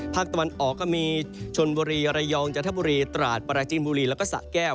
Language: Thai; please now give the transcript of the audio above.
ภาคตะวันออกก็มีชนบุรีระยองจันทบุรีตราดปราจีนบุรีแล้วก็สะแก้ว